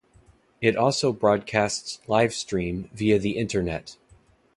It also broadcasts livestream via the Internet.